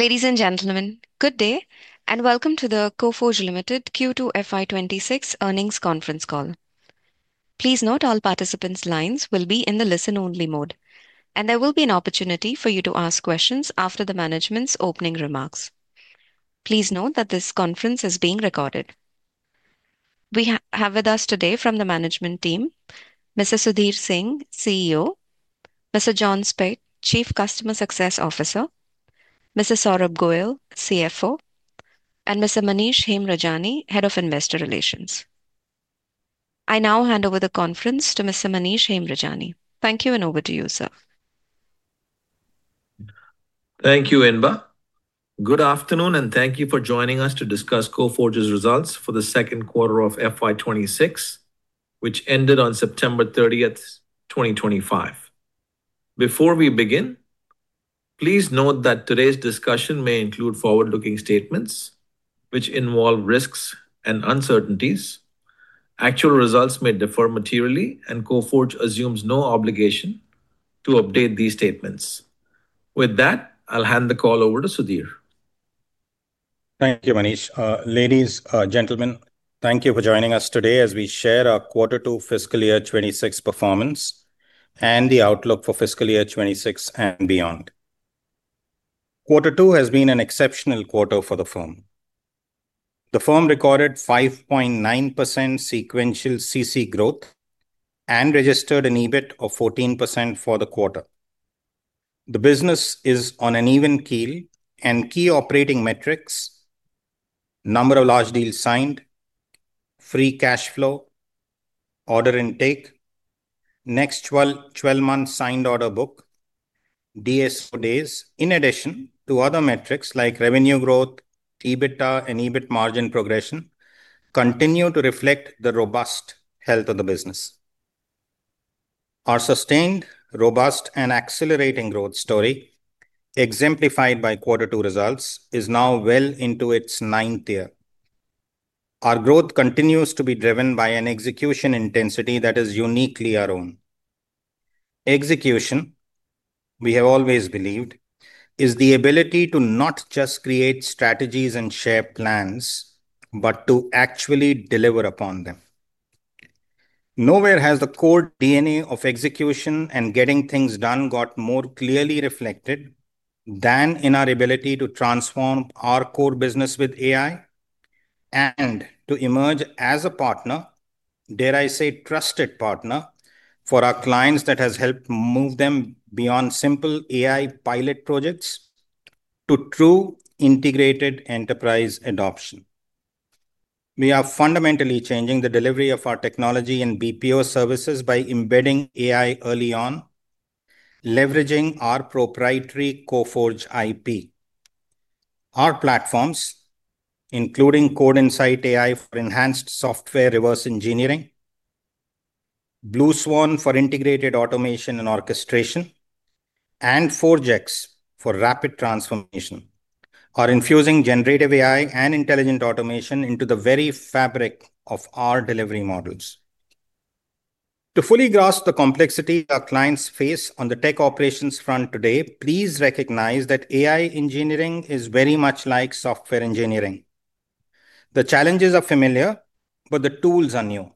Ladies and gentlemen, good day, and welcome to the Coforge Limited Q2 FY 2026 Earnings Conference Call. Please note all participants' lines will be in the listen-only mode, and there will be an opportunity for you to ask questions after the management's opening remarks. Please note that this conference is being recorded. We have with us today from the management team: Mr. Sudhir Singh, CEO; Mr. John Speight, Chief Customer Success Officer; Mr. Saurabh Goel, CFO; and Mr. Manish Hemrajani, Head of Investor Relations. I now hand over the conference to Mr. Manish Hemrajani. Thank you, and over to you, sir. Thank you, Inba. Good afternoon, and thank you for joining us to discuss Coforge's results for the second quarter of FY 2026, which ended on September 30, 2025. Before we begin, please note that today's discussion may include forward-looking statements, which involve risks and uncertainties. Actual results may differ materially, and Coforge assumes no obligation to update these statements. With that, I'll hand the call over to Sudhir. Thank you, Manish. Ladies, gentlemen, thank you for joining us today as we share our Q2 fiscal year 2026 performance and the outlook for fiscal year 2026 and beyond. Q2 has been an exceptional quarter for the firm. The firm recorded 5.9% sequential constant currency growth and registered an EBIT of 14% for the quarter. The business is on an even keel, and key operating metrics: number of large deals signed, free cash flow, order intake, next 12 months signed order book, DSO days, in addition to other metrics like revenue growth, EBITDA, and EBIT margin progression, continue to reflect the robust health of the business. Our sustained, robust, and accelerating growth story, exemplified by Q2 results, is now well into its ninth year. Our growth continues to be driven by an execution intensity that is uniquely our own. Execution, we have always believed, is the ability to not just create strategies and share plans, but to actually deliver upon them. Nowhere has the core DNA of execution and getting things done got more clearly reflected than in our ability to transform our core business with AI and to emerge as a partner, dare I say, trusted partner for our clients that has helped move them beyond simple AI pilot projects to true integrated enterprise adoption. We are fundamentally changing the delivery of our technology and BPO services by embedding AI early on, leveraging our proprietary Coforge IP. Our platforms, including Code Insight AI for enhanced software reverse engineering, BlueSwan for integrated automation and orchestration, and ForgeX for rapid transformation, are infusing generative AI and intelligent automation into the very fabric of our delivery models. To fully grasp the complexity our clients face on the tech operations front today, please recognize that AI engineering is very much like software engineering. The challenges are familiar, but the tools are new.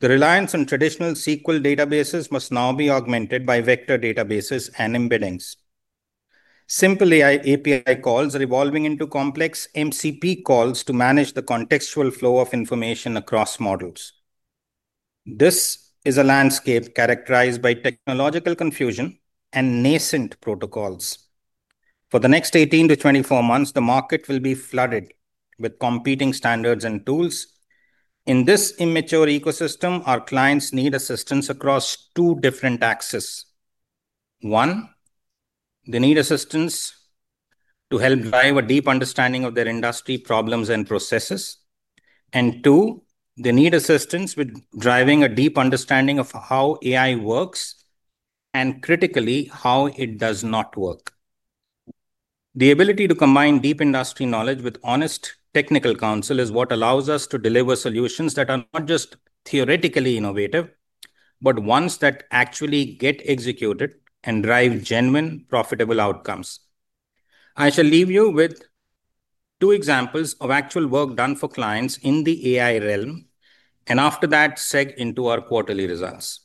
The reliance on traditional SQL databases must now be augmented by vector databases and embeddings. Simple API calls are evolving into complex MCP calls to manage the contextual flow of information across models. This is a landscape characterized by technological confusion and nascent protocols. For the next 18-24 months, the market will be flooded with competing standards and tools. In this immature ecosystem, our clients need assistance across two different axes. One, they need assistance to help drive a deep understanding of their industry problems and processes. They need assistance with driving a deep understanding of how AI works and critically how it does not work. The ability to combine deep industry knowledge with honest technical counsel is what allows us to deliver solutions that are not just theoretically innovative, but ones that actually get executed and drive genuine, profitable outcomes. I shall leave you with two examples of actual work done for clients in the AI realm, and after that, segue into our quarterly results.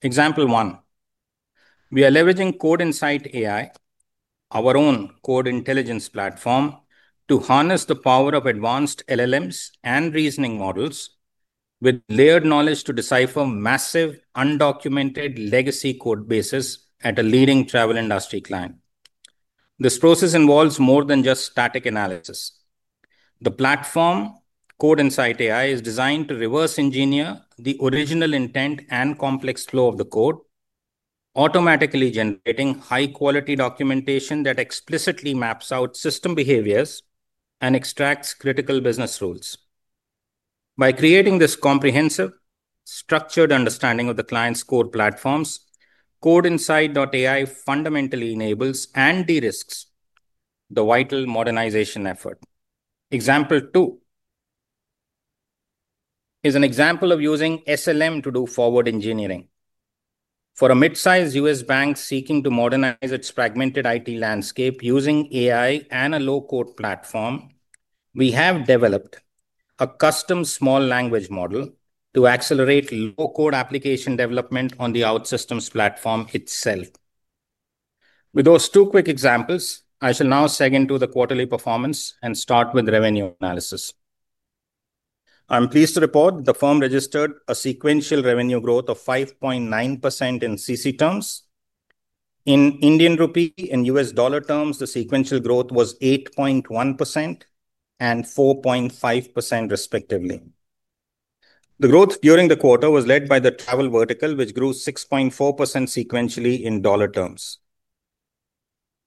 Example one: we are leveraging Code Insight AI, our own code intelligence platform, to harness the power of advanced LLMs and reasoning models with layered knowledge to decipher massive, undocumented legacy code bases at a leading travel industry client. This process involves more than just static analysis. The platform, Code Insight AI, is designed to reverse engineer the original intent and complex flow of the code, automatically generating high-quality documentation that explicitly maps out system behaviors and extracts critical business rules. By creating this comprehensive, structured understanding of the client's core platforms, Code Insight AI fundamentally enables and de-risks the vital modernization effort. Example two is an example of using SLM to do forward engineering. For a mid-sized U.S. bank seeking to modernize its fragmented IT landscape using AI and a low-code platform, we have developed a custom small language model to accelerate low-code application development on the OutSystems platform itself. With those two quick examples, I shall now segue into the quarterly performance and start with revenue analysis. I'm pleased to report that the firm registered a sequential revenue growth of 5.9% in constant currency terms. In Indian rupee and U.S. dollar terms, the sequential growth was 8.1% and 4.5% respectively. The growth during the quarter was led by the travel vertical, which grew 6.4% sequentially in dollar terms.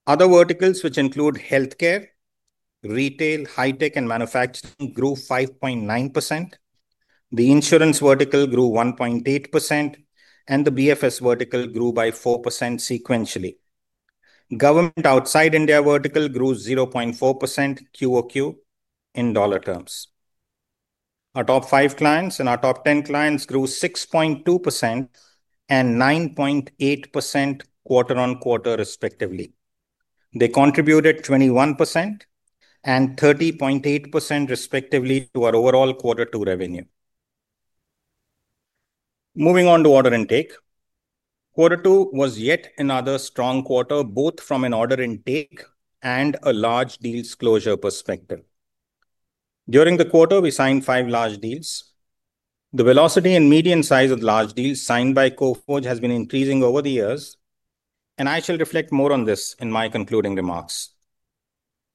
Other verticals, which include healthcare, retail, high-tech, and manufacturing, grew 5.9%. The insurance vertical grew 1.8%, and the BFS vertical grew by 4% sequentially. The government outside India vertical grew 0.4% quarter on quarter in dollar terms. Our top five clients and our top 10 clients grew 6.2% and 9.8% quarter-on-quarter respectively. They contributed 21% and 30.8% respectively to our overall Q2 revenue. Moving on to order intake, Q2 was yet another strong quarter, both from an order intake and a large deals closure perspective. During the quarter, we signed five large deals. The velocity and median size of large deals signed by Coforge has been increasing over the years, and I shall reflect more on this in my concluding remarks.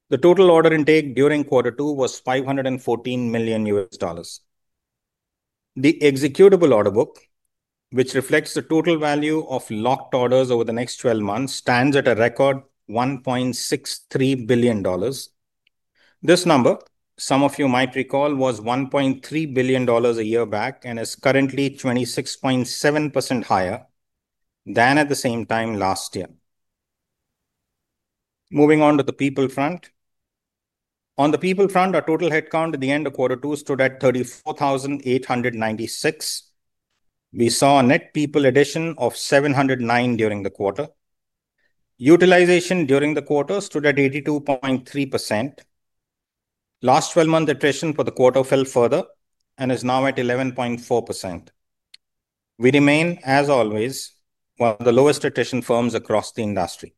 The total order intake during Q2 was $514 million. The executable order book, which reflects the total value of locked orders over the next 12 months, stands at a record $1.63 billion. This number, some of you might recall, was $1.3 billion a year back and is currently 26.7% higher than at the same time last year. Moving on to the people front. Our total headcount at the end of Q2 stood at 34,896. We saw a net people addition of 709 during the quarter. Utilization during the quarter stood at 82.3%. Last 12-month attrition for the quarter fell further and is now at 11.4%. We remain, as always, one of the lowest attrition firms across the industry.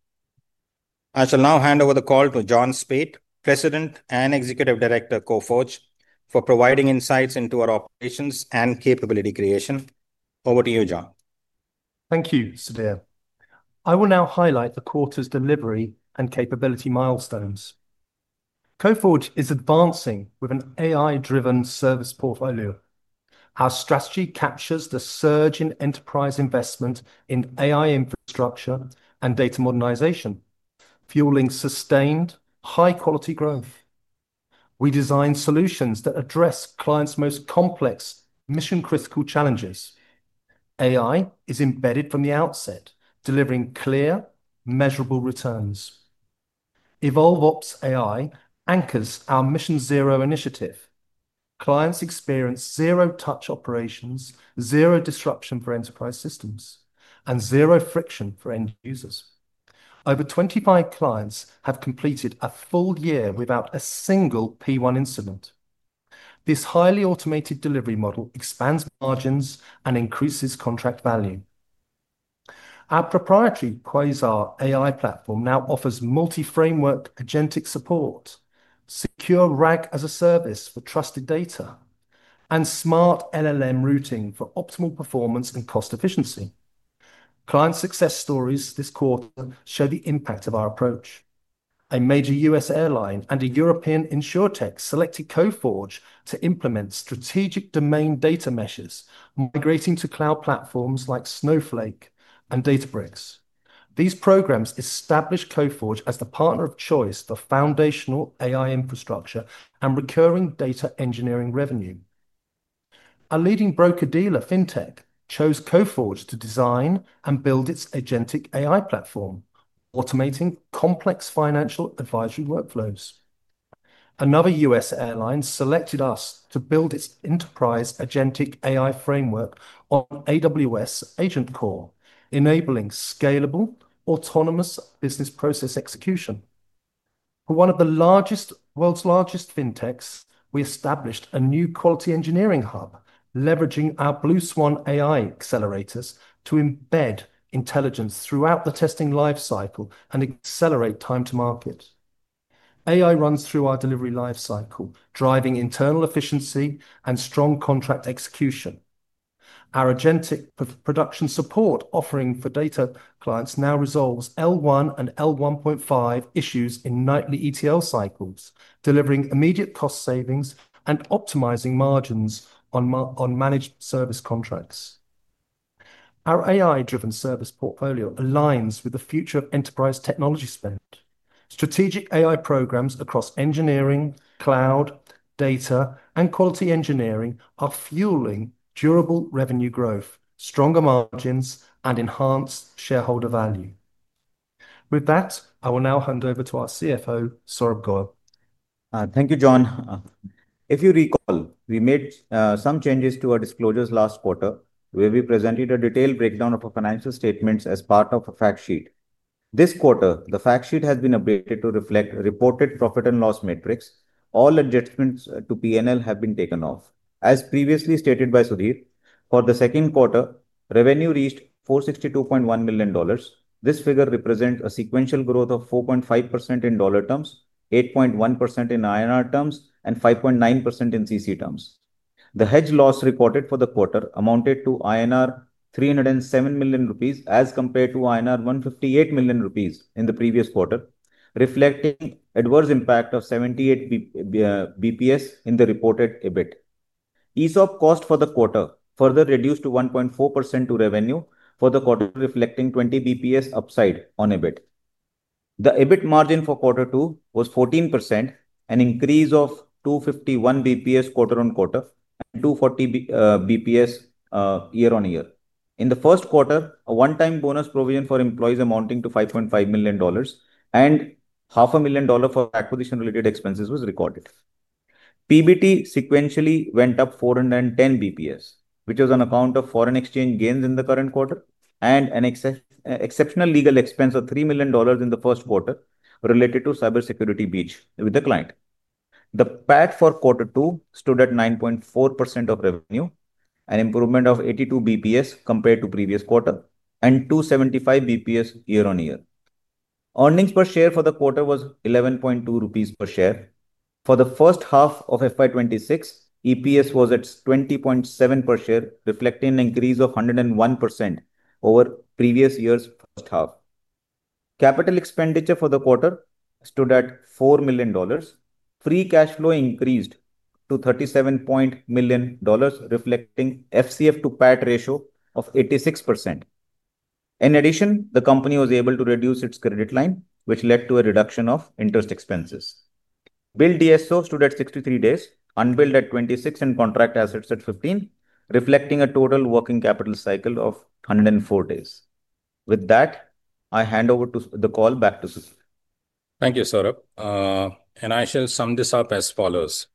I shall now hand over the call to John Speight, Chief Customer Success Officer of Coforge, for providing insights into our operations and capability creation. Over to you, John. Thank you, Sudhir. I will now highlight the quarter's delivery and capability milestones. Coforge is advancing with an AI-driven service portfolio. Our strategy captures the surge in enterprise investment in AI infrastructure and data modernization, fueling sustained, high-quality growth. We design solutions that address clients' most complex, mission-critical challenges. AI is embedded from the outset, delivering clear, measurable returns. EvolveOps.AI anchors our Mission Zero initiative. Clients experience zero-touch operations, zero disruption for enterprise systems, and zero friction for end users. Over 25 clients have completed a full year without a single P1 incident. This highly automated delivery model expands margins and increases contract value. Our proprietary Quasar AI platform now offers multi-framework agentic support, secure RAG as a service for trusted data, and smart LLM routing for optimal performance and cost efficiency. Client success stories this quarter show the impact of our approach. A major U.S. airline and a European insurtech selected Coforge to implement strategic domain data measures, migrating to cloud platforms like Snowflake and Databricks. These programs established Coforge as the partner of choice for foundational AI infrastructure and recurring data engineering revenue. A leading broker-dealer fintech chose Coforge to design and build its agentic AI platform, automating complex financial advisory workflows. Another U.S. airline selected us to build its enterprise agentic AI framework on AWS AgentCore, enabling scalable, autonomous business process execution. For one of the world's largest fintechs, we established a new quality engineering hub, leveraging our BlueSwan AI accelerators to embed intelligence throughout the testing lifecycle and accelerate time to market. AI runs through our delivery lifecycle, driving internal efficiency and strong contract execution. Our agentic production support offering for data clients now resolves L1 and L1.5 issues in nightly ETL cycles, delivering immediate cost savings and optimizing margins on managed service contracts. Our AI-driven service portfolio aligns with the future of enterprise technology spend. Strategic AI programs across engineering, cloud, data, and quality engineering are fueling durable revenue growth, stronger margins, and enhanced shareholder value. With that, I will now hand over to our CFO, Saurabh Goel. Thank you, John. If you recall, we made some changes to our disclosures last quarter, where we presented a detailed breakdown of our financial statements as part of a fact sheet. This quarter, the fact sheet has been updated to reflect reported profit and loss metrics. All adjustments to P&L have been taken off. As previously stated by Sudhir, for the second quarter, revenue reached $462.1 million. This figure represents a sequential growth of 4.5% in dollar terms, 8.1% in INR terms, and 5.9% in constant currency terms. The hedge loss reported for the quarter amounted to 307 million rupees as compared to 158 million rupees in the previous quarter, reflecting the adverse impact of 78 bps in the reported EBIT. ESOP cost for the quarter further reduced to 1.4% of revenue for the quarter, reflecting 20 bps upside on EBIT. The EBIT margin for Q2 was 14%, an increase of 251 bps quarter on quarter and 240 bps year on year. In the first quarter, a one-time bonus provision for employees amounting to $5.5 million and $0.5 million for acquisition-related expenses was recorded. PBT sequentially went up 410 bps, which was on account of foreign exchange gains in the current quarter and an exceptional legal expense of $3 million in the first quarter related to cybersecurity breach with the client. The PAT for Q2 stood at 9.4% of revenue, an improvement of 82 bps compared to previous quarter, and 275 bps year-on-year. Earnings per share for the quarter was 11.2 rupees per share. For the first half of FY 2026, EPS was at 20.7 per share, reflecting an increase of 101% over previous year's first half. Capital expenditure for the quarter stood at $4 million. Free cash flow increased to $37.0 million, reflecting FCF to PAT ratio of 86%. In addition, the company was able to reduce its credit line, which led to a reduction of interest expenses. Billed DSO stood at 63 days, unbilled at 26, and contract assets at 15, reflecting a total working capital cycle of 104 days. With that, I hand over the call back to Sudhir. Thank you, Saurabh. I shall sum this up as follows.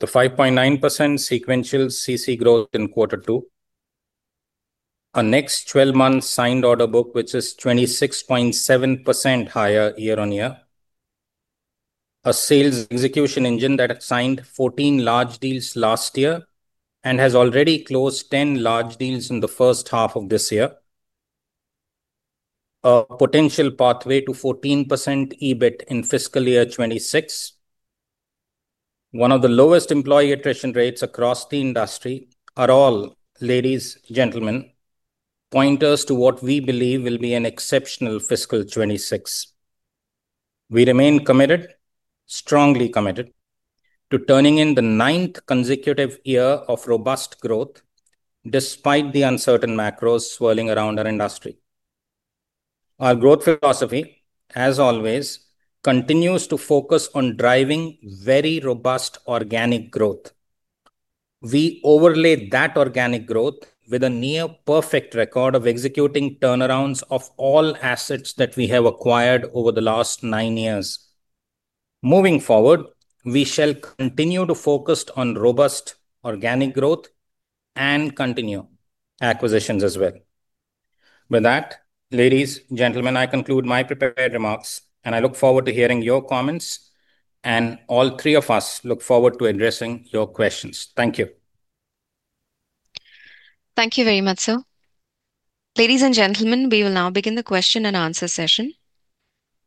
The 5.9% sequential constant currency growth in Q2, our next 12 months signed order book, which is 26.7% higher year on year, a sales execution engine that signed 14 large deals last year and has already closed 10 large deals in the first half of this year, a potential pathway to 14% EBIT margin in fiscal year 2026. One of the lowest employee attrition rates across the industry are all, ladies and gentlemen, pointers to what we believe will be an exceptional fiscal 2026. We remain committed, strongly committed to turning in the ninth consecutive year of robust growth despite the uncertain macros swirling around our industry. Our growth philosophy, as always, continues to focus on driving very robust organic growth. We overlay that organic growth with a near-perfect record of executing turnarounds of all assets that we have acquired over the last nine years. Moving forward, we shall continue to focus on robust organic growth and continue acquisitions as well. With that, ladies and gentlemen, I conclude my prepared remarks, and I look forward to hearing your comments. All three of us look forward to addressing your questions. Thank you. Thank you very much, sir. Ladies and gentlemen, we will now begin the question-and-answer session.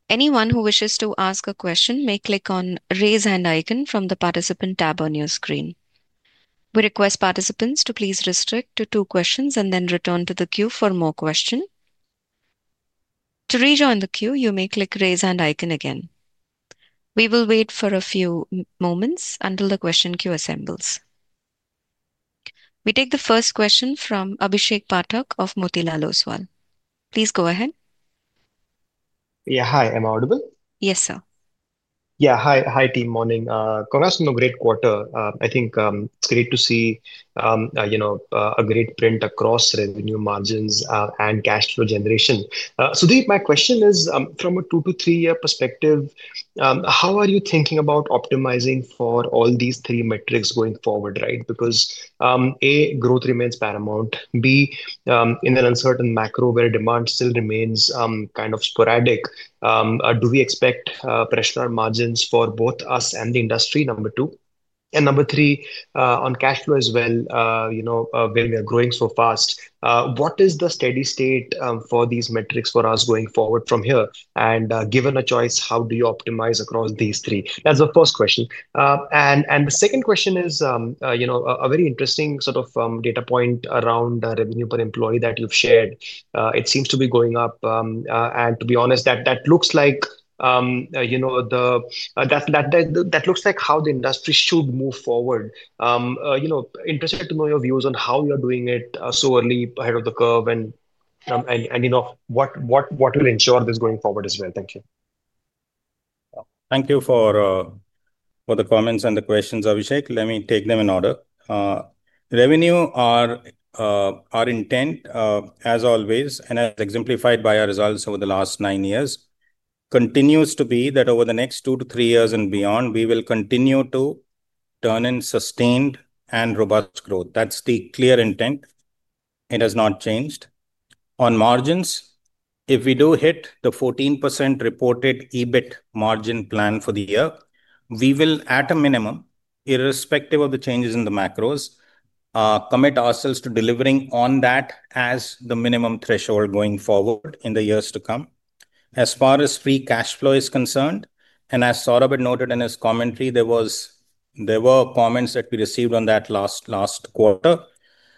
Anyone who wishes to ask a question may click on the raise hand icon from the participant tab on your screen. We request participants to please restrict to two questions and then return to the queue for more questions. To rejoin the queue, you may click the raise hand icon again. We will wait for a few moments until the question queue assembles. We take the first question from Abhishek Pathak of Motilal Oswal. Please go ahead. Yeah, hi. Am I audible? Yes, sir. Yeah, hi. Hi, team. Morning. Congrats on a great quarter. I think it's great to see a great print across revenue, margins, and cash flow generation. Sudhir, my question is, from a two to three-year perspective, how are you thinking about optimizing for all these three metrics going forward, right? Because, A, growth remains paramount. In an uncertain macro where demand still remains kind of sporadic, do we expect pressure on margins for both us and the industry, number two? Number three, on cash flow as well, when we are growing so fast, what is the steady state for these metrics for us going forward from here? Given a choice, how do you optimize across these three? That's the first question. The second question is, a very interesting sort of data point around revenue per employee that you've shared. It seems to be going up. To be honest, that looks like how the industry should move forward. Interested to know your views on how you're doing it so early, ahead of the curve, and what will ensure this going forward as well. Thank you. Thank you for the comments and the questions, Abhishek. Let me take them in order. Revenue, our intent, as always, and as exemplified by our results over the last nine years, continues to be that over the next two to three years and beyond, we will continue to turn in sustained and robust growth. That's the clear intent. It has not changed. On margins, if we do hit the 14% reported EBIT margin plan for the year, we will, at a minimum, irrespective of the changes in the macros, commit ourselves to delivering on that as the minimum threshold going forward in the years to come. As far as free cash flow is concerned, and as Saurabh had noted in his commentary, there were comments that we received on that last quarter.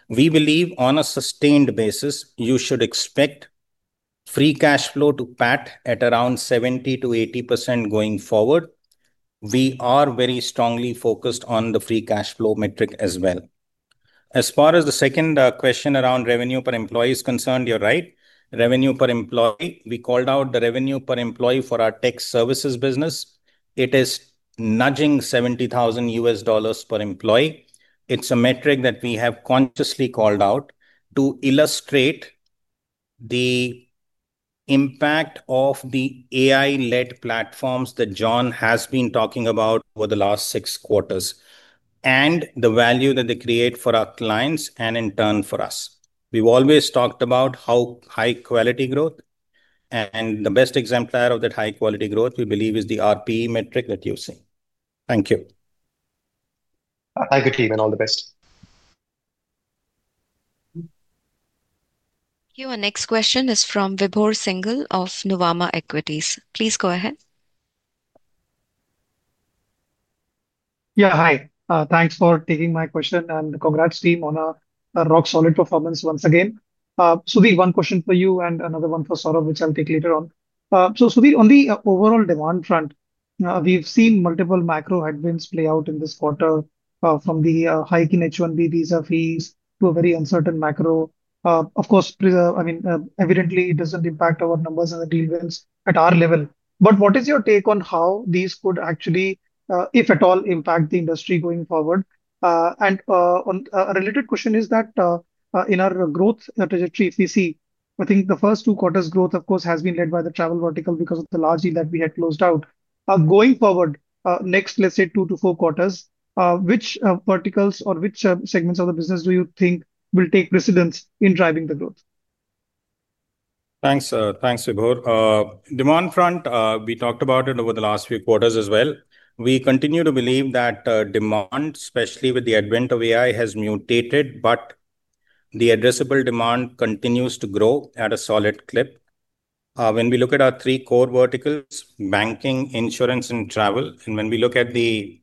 We believe on a sustained basis, you should expect free cash flow to PAT at around 70%-80% going forward. We are very strongly focused on the free cash flow metric as well. As far as the second question around revenue per employee is concerned, you're right. Revenue per employee, we called out the revenue per employee for our tech services business. It is nudging $70,000 per employee. It's a metric that we have consciously called out to illustrate the impact of the AI-led platforms that John has been talking about over the last six quarters and the value that they create for our clients and in turn for us. We've always talked about how high-quality growth, and the best exemplar of that high-quality growth we believe is the RPE metric that you've seen. Thank you. Thank you, team, and all the best. Thank you. Our next question is from Vibhor Singhal of Nuvama Equities. Please go ahead. Yeah, hi. Thanks for taking my question, and congrats, team, on a rock-solid performance once again. Sudhir, one question for you and another one for Saurabh, which I'll take later on. Sudhir, on the overall demand front, we've seen multiple macro headwinds play out in this quarter, from the hike in H1B visa fees to a very uncertain macro. Of course, I mean, evidently, it doesn't impact our numbers and the deal wins at our level. What is your take on how these could actually, if at all, impact the industry going forward? A related question is that in our growth trajectory, if we see, I think the first two quarters' growth, of course, has been led by the travel vertical because of the large deal that we had closed out. Going forward, next, let's say, two to four quarters, which verticals or which segments of the business do you think will take precedence in driving the growth? Thanks, Vibhor. Demand front, we talked about it over the last few quarters as well. We continue to believe that demand, especially with the advent of AI, has mutated, but the addressable demand continues to grow at a solid clip. When we look at our three core verticals, banking, insurance, and travel, and when we look at the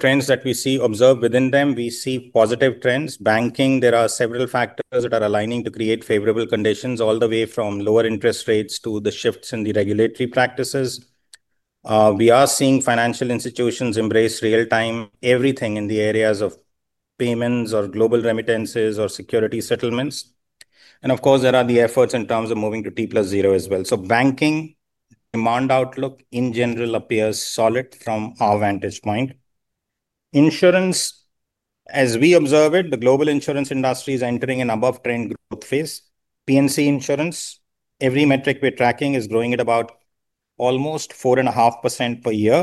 trends that we see observed within them, we see positive trends. Banking, there are several factors that are aligning to create favorable conditions, all the way from lower interest rates to the shifts in the regulatory practices. We are seeing financial institutions embrace real-time everything in the areas of payments or global remittances or security settlements. Of course, there are the efforts in terms of moving to T + 0 as well. Banking demand outlook in general appears solid from our vantage point. Insurance, as we observe it, the global insurance industry is entering an above-trend growth phase. PNC insurance, every metric we're tracking is growing at about almost 4.5% per year.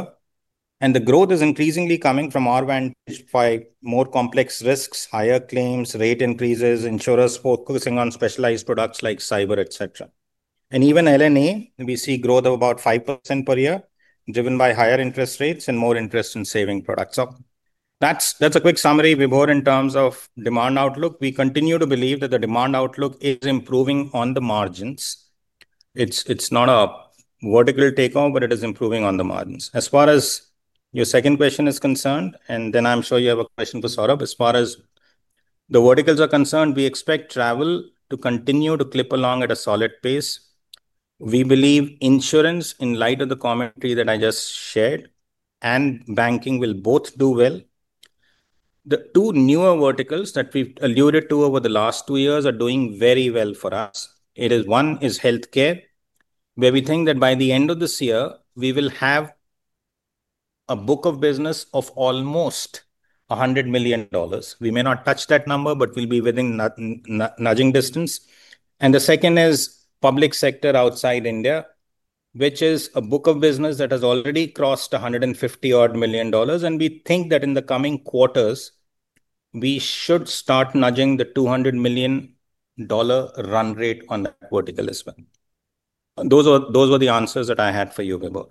The growth is increasingly coming from our vantage by more complex risks, higher claims, rate increases, insurers focusing on specialized products like cyber, etc. Even L&E, we see growth of about 5% per year, driven by higher interest rates and more interest in saving products. That's a quick summary, Vibhor, in terms of demand outlook. We continue to believe that the demand outlook is improving on the margins. It's not a vertical takeoff, but it is improving on the margins. As far as your second question is concerned, and then I'm sure you have a question for Saurabh, as far as the verticals are concerned, we expect travel to continue to clip along at a solid pace. We believe insurance, in light of the commentary that I just shared, and banking will both do well. The two newer verticals that we've alluded to over the last two years are doing very well for us. One is healthcare, where we think that by the end of this year, we will have a book of business of almost $100 million. We may not touch that number, but we'll be within nudging distance. The second is public sector outside India, which is a book of business that has already crossed $150 million. We think that in the coming quarters, we should start nudging the $200 million run rate on that vertical as well. Those were the answers that I had for you, Vibhor.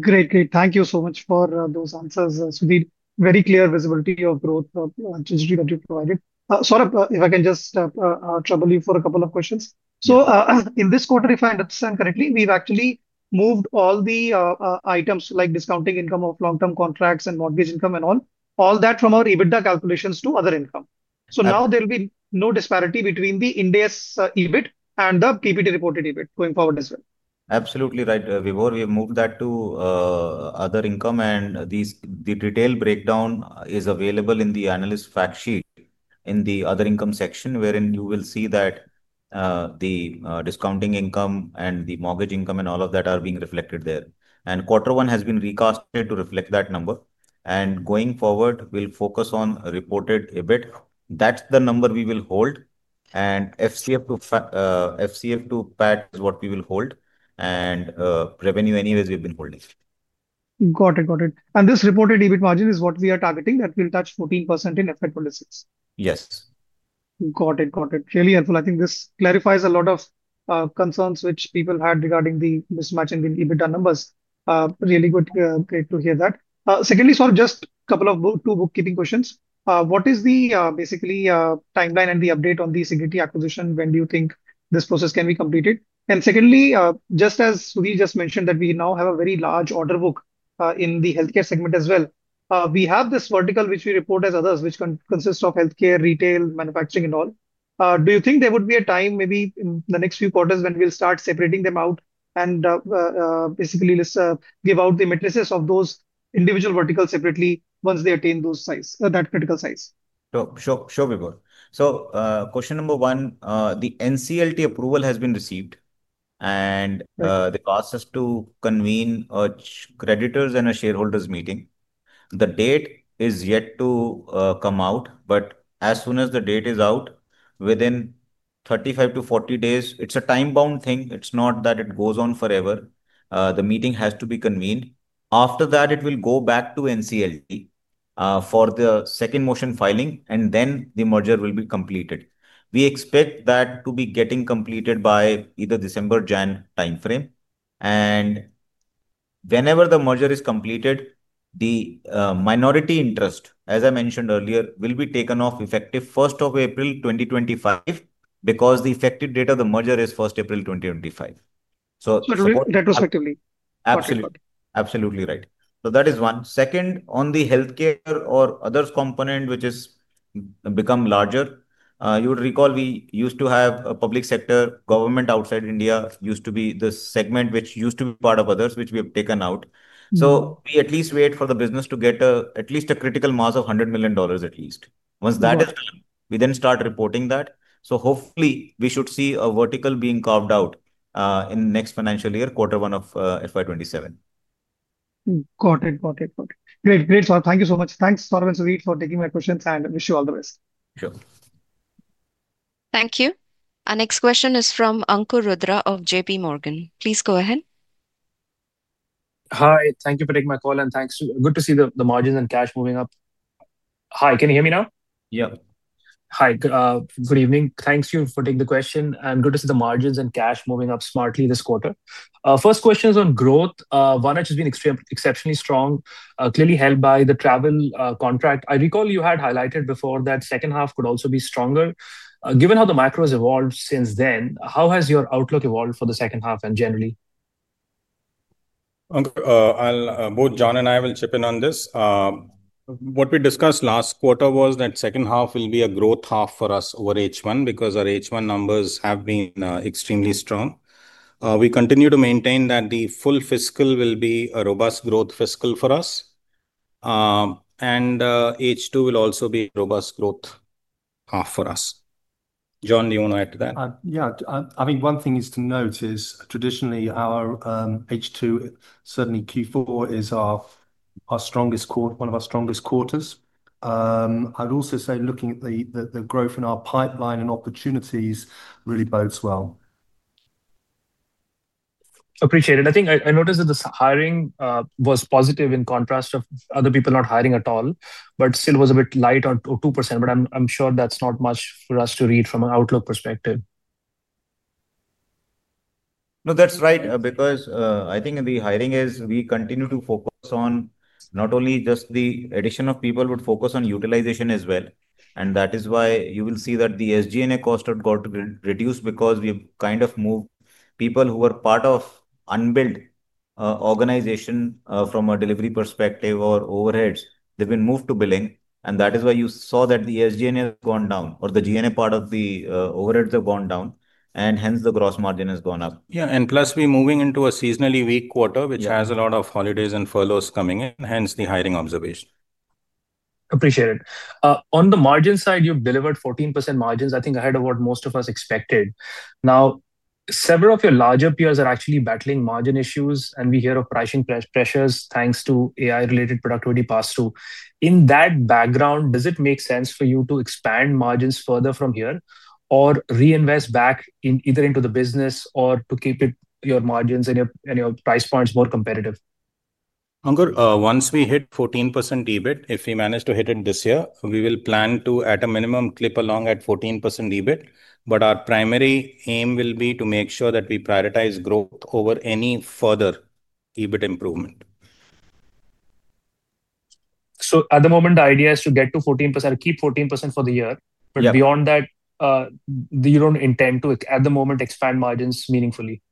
Great, great. Thank you so much for those answers. Sudhir, very clear visibility of growth trajectory that you've provided. Saurabh, if I can just trouble you for a couple of questions. In this quarter, if I understand correctly, we've actually moved all the items like discounting income of long-term contracts and mortgage income and all, all that from our EBITDA calculations to other income. Now there'll be no disparity between the India's EBIT and the PAT reported EBIT going forward as well. Absolutely right, Vibhor. We've moved that to other income, and the detailed breakdown is available in the analyst fact sheet in the other income section, where you will see that the discounting income and the mortgage income and all of that are being reflected there. Quarter one has been recasted to reflect that number. Going forward, we'll focus on reported EBIT. That's the number we will hold. FCF to PAT is what we will hold. Revenue anyways, we've been holding. Got it, got it. This reported EBIT margin is what we are targeting that will touch 14% in FY 2026. Yes. Got it, got it. Really helpful. I think this clarifies a lot of concerns which people had regarding the mismatch in the EBITDA numbers. Really good, great to hear that. Secondly, just a couple of bookkeeping questions. What is the basically timeline and the update on the CGT acquisition? When do you think this process can be completed? Secondly, just as Sudhir just mentioned that we now have a very large order book in the healthcare segment as well. We have this vertical which we report as others, which consists of healthcare, retail, manufacturing, and all. Do you think there would be a time maybe in the next few quarters when we'll start separating them out and basically give out the matrices of those individual verticals separately once they attain that size, that critical size? Sure, Vibhor. Question number one, the NCLT approval has been received, and the task is to convene a creditors' and a shareholders' meeting. The date is yet to come out, but as soon as the date is out, within 35-40 days, it's a time-bound thing. It's not that it goes on forever. The meeting has to be convened. After that, it will go back to NCLT for the second motion filing, and then the merger will be completed. We expect that to be getting completed by either December or January timeframe. Whenever the merger is completed, the minority interest, as I mentioned earlier, will be taken off effective April 1, 2025, because the effective date of the merger is April 1, 2025. So, retrospectively. Absolutely, absolutely right. That is one. Second, on the healthcare or others component, which has become larger, you would recall we used to have a public sector government outside India used to be the segment which used to be part of others, which we have taken out. We at least wait for the business to get at least a critical mass of $100 million. Once that is done, we then start reporting that. Hopefully, we should see a vertical being carved out in the next financial year, quarter one of FY 2027. Great, great. Thank you so much. Thanks, Saurabh and Sudhir, for taking my questions, and wish you all the best. Sure. Thank you. Our next question is from Ankur Rudra of JPMorgan. Please go ahead. Hi, thank you for taking my call, and thanks. Good to see the margins and cash moving up. Can you hear me now? Yeah. Hi. Good evening. Thank you for taking the question. I'm good to see the margins and cash moving up smartly this quarter. First question is on growth. 1H has been exceptionally strong, clearly held by the travel contract. I recall you had highlighted before that second half could also be stronger. Given how the macro has evolved since then, how has your outlook evolved for the second half and generally? Both John and I will chip in on this. What we discussed last quarter was that second half will be a growth half for us over H1 because our H1 numbers have been extremely strong. We continue to maintain that the full fiscal will be a robust growth fiscal for us. H2 will also be a robust growth half for us. John, do you want to add to that? Yeah. One thing to note is traditionally our H2, certainly Q4, is our strongest quarter, one of our strongest quarters. I'd also say looking at the growth in our pipeline and opportunities really bodes well. Appreciate it. I think I noticed that the hiring was positive in contrast to other people not hiring at all, but still was a bit light on 2%. I'm sure that's not much for us to read from an outlook perspective. No, that's right because I think in the hiring we continue to focus on not only just the addition of people, but focus on utilization as well. That is why you will see that the SG&A cost has got to reduce because we have kind of moved people who were part of unbilled organization from a delivery perspective or overheads. They've been moved to billing. That is why you saw that the SG&A has gone down or the G&A part of the overheads have gone down. Hence, the gross margin has gone up. Plus, we're moving into a seasonally weak quarter, which has a lot of holidays and furloughs coming in. Hence, the hiring observation. Appreciate it. On the margin side, you've delivered 14% margins, I think ahead of what most of us expected. Now, several of your larger peers are actually battling margin issues, and we hear of pricing pressures thanks to AI-related productivity pass-through. In that background, does it make sense for you to expand margins further from here or reinvest back either into the business or to keep your margins and your price points more competitive? Ankur, once we hit 14% EBIT, if we manage to hit it this year, we will plan to, at a minimum, clip along at 14% EBIT. Our primary aim will be to make sure that we prioritize growth over any further EBIT improvement. At the moment, the idea is to get to 14%, keep 14% for the year. Beyond that, you don't intend to, at the moment, expand margins meaningfully.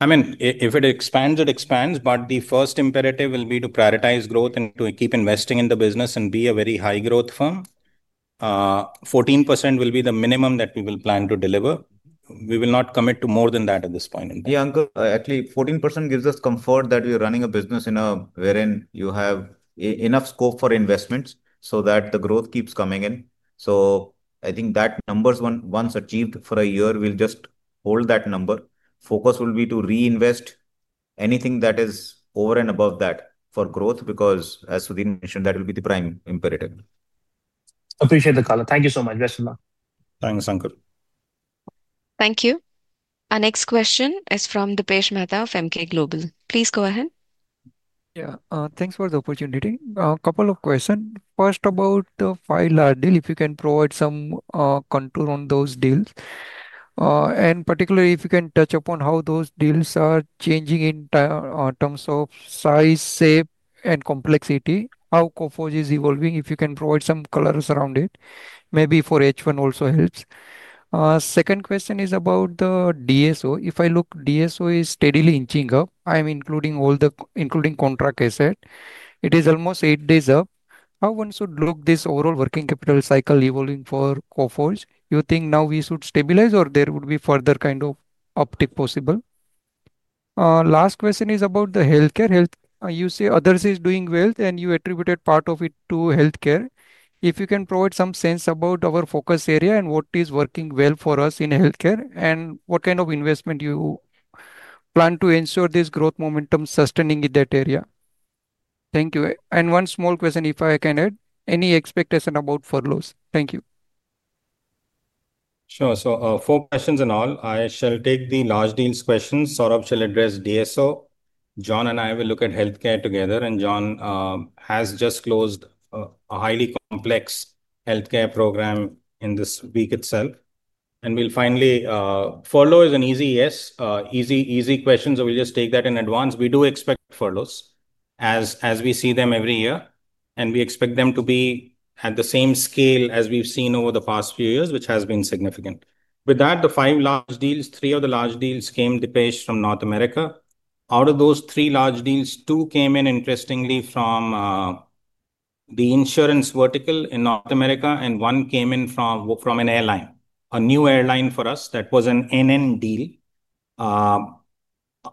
I mean, if it expands, it expands, but the first imperative will be to prioritize growth and to keep investing in the business and be a very high-growth firm. 14% will be the minimum that we will plan to deliver. We will not commit to more than that at this point in time. At least 14% gives us comfort that we're running a business wherein you have enough scope for investments so that the growth keeps coming in. I think that number, once achieved for a year, we'll just hold that number. Focus will be to reinvest anything that is over and above that for growth because, as Sudhir mentioned, that will be the prime imperative. Appreciate the call. Thank you so much. Thanks, Ankur. Thank you. Our next question is from Dipesh Mehta of Emkay Global. Please go ahead. Yeah, thanks for the opportunity. A couple of questions. First, about the five large deals, if you can provide some contour on those deals, and particularly if you can touch upon how those deals are changing in terms of size, shape, and complexity, how Coforge is evolving, if you can provide some colors around it, maybe for H1 also helps. Second question is about the DSO. If I look, DSO is steadily inching up. I'm including all the contract assets. It is almost eight days up. How one should look at this overall working capital cycle evolving for Coforge? You think now we should stabilize or there would be further kind of uptake possible? Last question is about the healthcare. You say others are doing well, and you attributed part of it to healthcare. If you can provide some sense about our focus area and what is working well for us in healthcare and what kind of investment you plan to ensure this growth momentum sustaining in that area. Thank you. One small question, if I can add, any expectation about furloughs? Thank you. Sure. Four questions in all. I shall take the large deals questions. Saurabh shall address DSO. John and I will look at healthcare together. John has just closed a highly complex healthcare program in this week itself. Finally, furlough is an easy yes, easy, easy question. We'll just take that in advance. We do expect furloughs as we see them every year. We expect them to be at the same scale as we've seen over the past few years, which has been significant. With that, the five large deals, three of the large deals came from North America. Out of those three large deals, two came in interestingly from the insurance vertical in North America, and one came in from an airline, a new airline for us. That was an NN deal.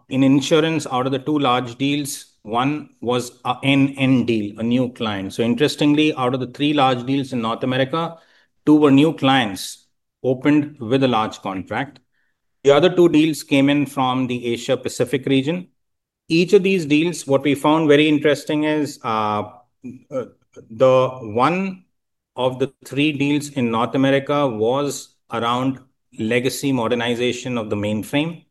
In insurance, out of the two large deals, one was an NN deal, a new client. Interestingly, out of the three large deals in North America, two were new clients opened with a large contract. The other two deals came in from the Asia-Pacific region. Each of these deals, what we found very interesting is the one of the three deals in North America was around legacy modernization of the mainframe.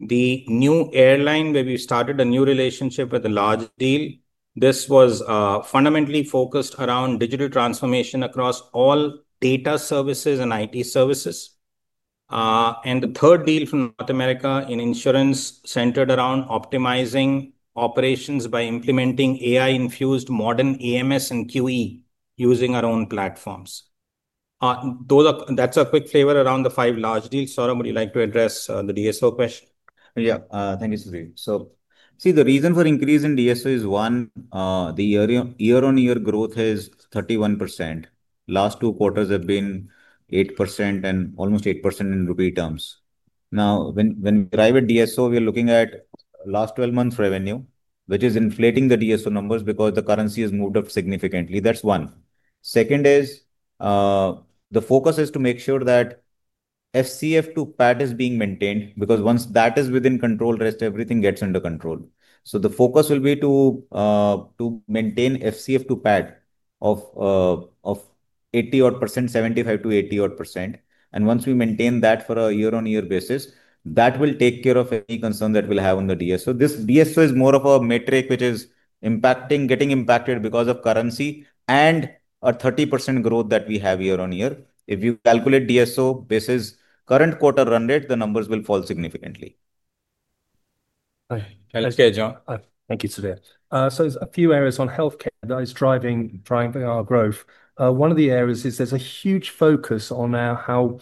The new airline where we started a new relationship with a large deal, this was fundamentally focused around digital transformation across all data services and IT services. The third deal from North America in insurance centered around optimizing operations by implementing AI-infused modern AMS and QE using our own platforms. That's a quick flavor around the five large deals. Saurabh, would you like to address the DSO question? Yeah, thank you, Sudhir. The reason for increase in DSO is one, the year-on-year growth is 31%. Last two quarters have been 8% and almost 8% in repeat terms. Now, when we arrive at DSO, we are looking at last 12 months' revenue, which is inflating the DSO numbers because the currency has moved up significantly. That's one. The focus is to make sure that FCF to PAT is being maintained because once that is within control, the rest of everything gets under control. The focus will be to maintain FCF to PAT of 80-odd %, 75%-80-odd %. Once we maintain that for a year-on-year basis, that will take care of any concern that we'll have on the DSO. This DSO is more of a metric which is getting impacted because of currency and our 30% growth that we have year-on-year. If you calculate DSO versus current quarter run rate, the numbers will fall significantly. Thank you, John. Thank you, Sudhir. There are a few areas on healthcare that are driving our growth. One of the areas is there's a huge focus on now how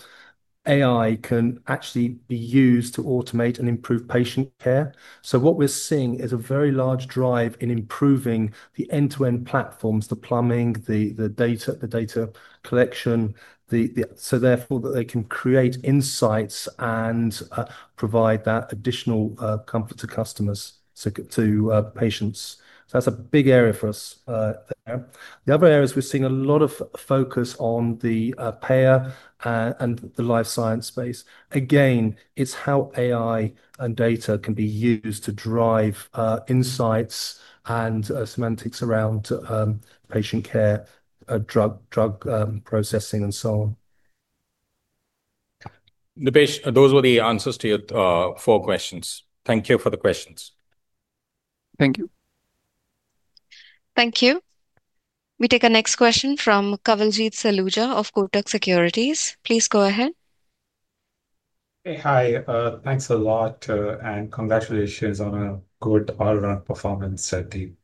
AI can actually be used to automate and improve patient care. What we're seeing is a very large drive in improving the end-to-end platforms, the plumbing, the data, the data collection, so that they can create insights and provide that additional comfort to customers, to patients. That's a big area for us there. The other areas we're seeing a lot of focus on the payer and the life science space. Again, it's how AI and data can be used to drive insights and semantics around patient care, drug processing, and so on. Dipesh, those were the answers to your four questions. Thank you for the questions. Thank you. Thank you. We take a next question from Kawaljeet Saluja of Kotak Securities. Please go ahead. Hey, hi. Thanks a lot, and congratulations on a good all-round performance, team.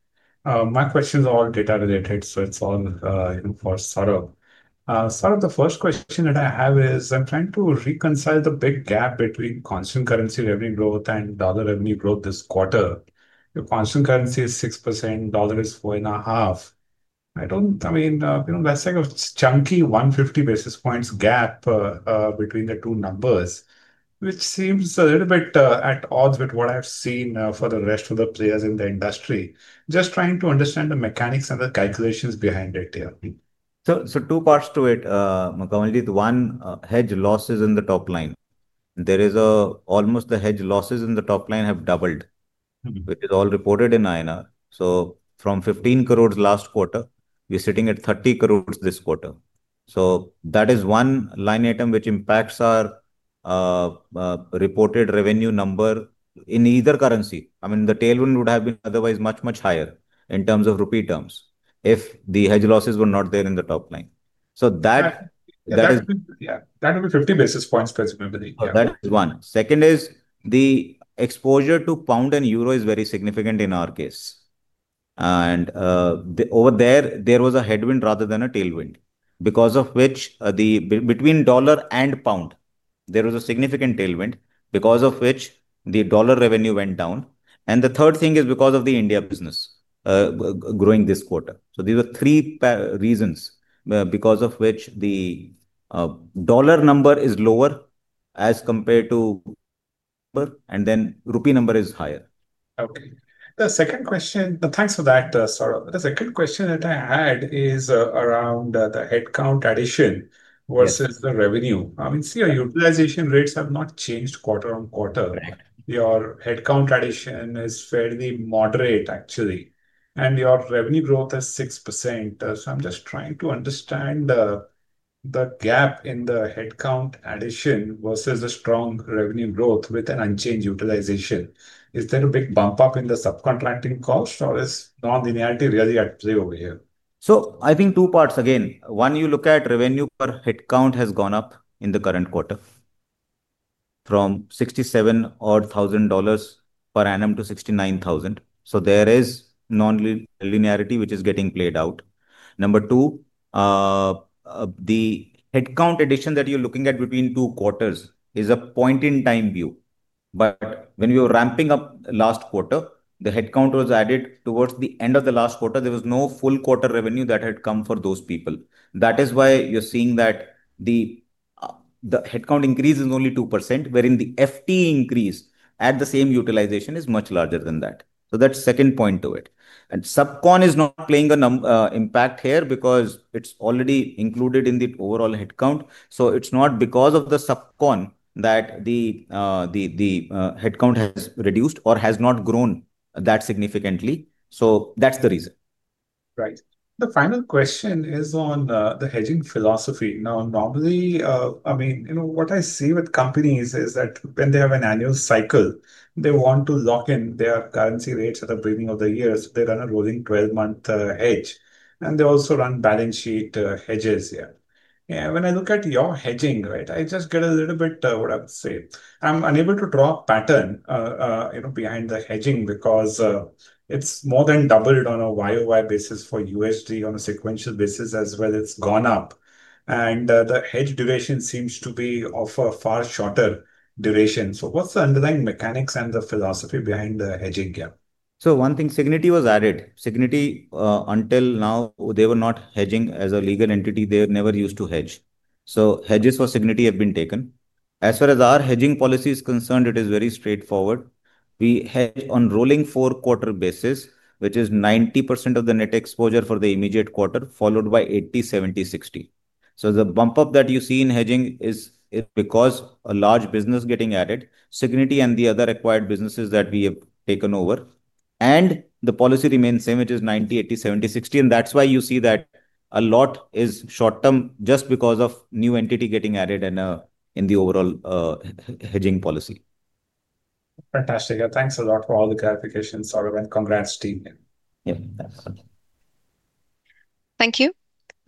My questions are all data-related, so it's all for Saurabh. Saurabh, the first question that I have is I'm trying to reconcile the big gap between constant currency revenue growth and dollar revenue growth this quarter. Your constant currency is 6%, dollar is 4.5%. I don't, I mean, you know, that's like a chunky 150 basis points gap between the two numbers, which seems a little bit at odds with what I've seen for the rest of the players in the industry. Just trying to understand the mechanics and the calculations behind it here. are two parts to it, Kawaljeet. One, hedge losses in the top line. The hedge losses in the top line have almost doubled, which is all reported in INR. From 15 crore last quarter, we're sitting at 30 crore this quarter. That is one line item which impacts our reported revenue number in either currency. The tailwind would have been otherwise much, much higher in terms of repeat terms if the hedge losses were not there in the top line. That is. Yeah, that would be 50 basis points, consumably. That is one. Second is the exposure to pound and euro is very significant in our case. Over there, there was a headwind rather than a tailwind, because of which between dollar and pound, there was a significant tailwind, because of which the dollar revenue went down. The third thing is because of the India business growing this quarter. These are three reasons because of which the dollar number is lower as compared to number, and then rupee number is higher. Okay. The second question, thanks for that, Saurabh. The second question that I had is around the headcount addition versus the revenue. I mean, see, your utilization rates have not changed quarter on quarter. Your headcount addition is fairly moderate, actually, and your revenue growth is 6%. I'm just trying to understand the gap in the headcount addition versus the strong revenue growth with an unchanged utilization. Is there a big bump up in the subcontracting cost, or is non-linearity really at play over here? I think two parts. One, you look at revenue per headcount has gone up in the current quarter from $67,000 per annum to $69,000. There is non-linearity which is getting played out. Number two, the headcount addition that you're looking at between two quarters is a point-in-time view. When we were ramping up last quarter, the headcount was added towards the end of the last quarter. There was no full quarter revenue that had come for those people. That is why you're seeing that the headcount increase is only 2%, wherein the FT increase at the same utilization is much larger than that. That's the second point to it. Subcon is not playing an impact here because it's already included in the overall headcount. It's not because of the subcon that the headcount has reduced or has not grown that significantly. That's the reason. Right. The final question is on the hedging philosophy. Normally, what I see with companies is that when they have an annual cycle, they want to lock in their currency rates at the beginning of the year. They run a rolling 12-month hedge, and they also run balance sheet hedges. When I look at your hedging, I just get a little bit, what I would say, I'm unable to draw a pattern behind the hedging because it's more than doubled on a year-over-year basis for USD. On a sequential basis as well, it's gone up, and the hedge duration seems to be of a far shorter duration. What's the underlying mechanics and the philosophy behind the hedging gap? One thing, Cigniti was added. Cigniti, until now, they were not hedging as a legal entity. They were never used to hedge. Hedges for Cigniti have been taken. As far as our hedging policy is concerned, it is very straightforward. We hedge on a rolling four-quarter basis, which is 90% of the net exposure for the immediate quarter, followed by 80%, 70%, 60%. The bump up that you see in hedging is because a large business is getting added, Cigniti and the other acquired businesses that we have taken over. The policy remains the same, which is 90%, 80%, 70%, 60%. That is why you see that a lot is short-term just because of new entity getting added in the overall hedging policy. Fantastic. Yeah, thanks a lot for all the clarifications, Saurabh, and congrats, team. Thank you.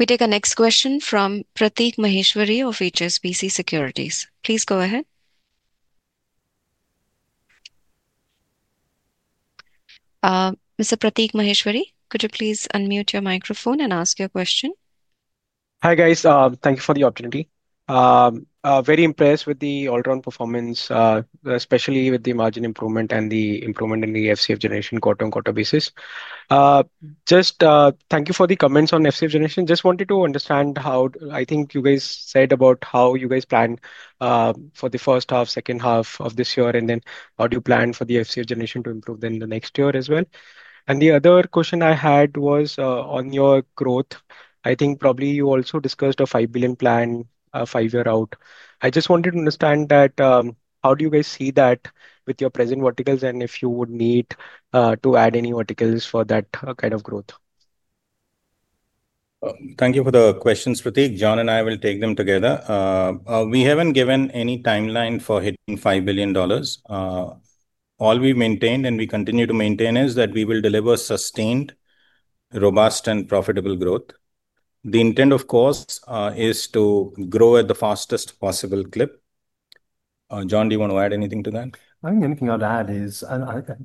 We take a next question from Prateek Maheshwari of HSBC Securities. Please go ahead. Mr. Prateek Maheshwari, could you please unmute your microphone and ask your question? Hi, guys. Thank you for the opportunity. Very impressed with the all-around performance, especially with the margin improvement and the improvement in the FCF generation quarter on quarter basis. Thank you for the comments on FCF generation. I just wanted to understand how you guys said about how you guys planned for the first half, second half of this year, and then how do you plan for the FCF generation to improve in the next year as well. The other question I had was on your growth. I think probably you also discussed a $5 billion plan five years out. I just wanted to understand how do you guys see that with your present verticals and if you would need to add any verticals for that kind of growth? Thank you for the questions, Prateek. John and I will take them together. We haven't given any timeline for hitting $5 billion. All we maintained and we continue to maintain is that we will deliver sustained, robust, and profitable growth. The intent, of course, is to grow at the fastest possible clip. John, do you want to add anything to that? I think the only thing I'd add is, and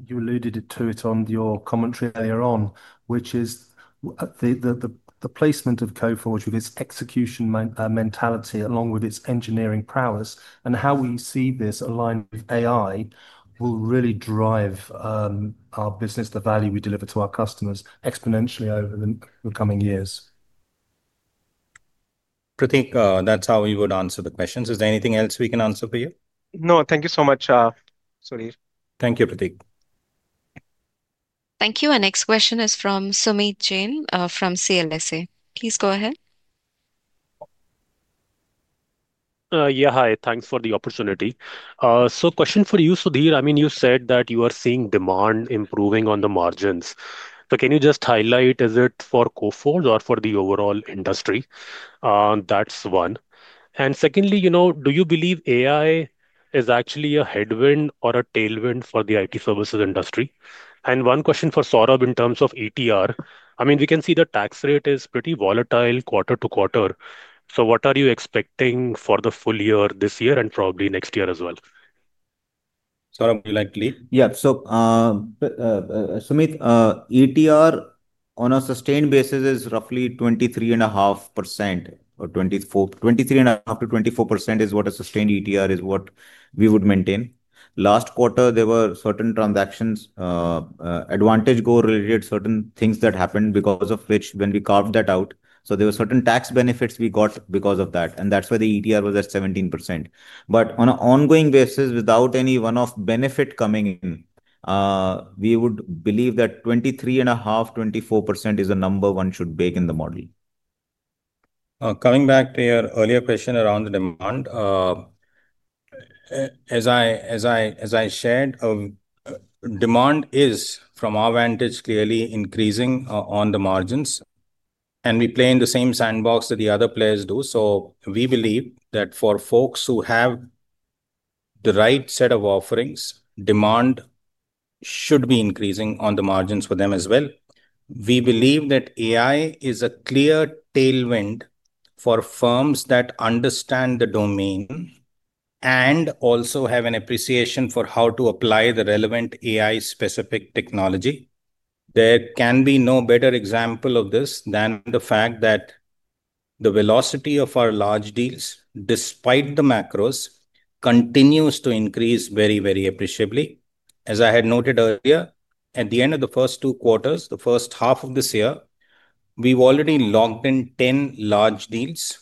you alluded to it on your commentary earlier on, which is the placement of Coforge, with its execution mentality along with its engineering prowess and how we see this aligned with AI, will really drive our business, the value we deliver to our customers exponentially over the coming years. Prateek, that's how we would answer the questions. Is there anything else we can answer for you? No, thank you so much, Sudhir. Thank you, Prateek. Thank you. Our next question is from Sumeet Jain, from CLSA. Please go ahead. Yeah, hi. Thanks for the opportunity. Question for you, Sudhir. You said that you are seeing demand improving on the margins. Can you just highlight, is it for Coforge or for the overall industry? That's one. Secondly, do you believe AI is actually a headwind or a tailwind for the IT services industry? One question for Saurabh in terms of ETR. We can see the tax rate is pretty volatile quarter to quarter. What are you expecting for the full year this year and probably next year as well? Saurabh, would you like to lead? Yeah. Sumeet, ETR on a sustained basis is roughly 23.5% or 23.5%-24% is what a sustained ETR is what we would maintain. Last quarter, there were certain transactions, advantage goal-related certain things that happened because of which when we carved that out, there were certain tax benefits we got because of that. That's why the ETR was at 17%. On an ongoing basis, without any one-off benefit coming in, we would believe that 23.5%, 24% is a number one should bake in the model. Coming back to your earlier question around the demand, as I shared, demand is from our vantage clearly increasing on the margins. We play in the same sandbox that the other players do. We believe that for folks who have the right set of offerings, demand should be increasing on the margins for them as well. We believe that AI is a clear tailwind for firms that understand the domain and also have an appreciation for how to apply the relevant AI-specific technology. There can be no better example of this than the fact that the velocity of our large deals, despite the macros, continues to increase very, very appreciably. As I had noted earlier, at the end of the first two quarters, the first half of this year, we've already locked in 10 large deals.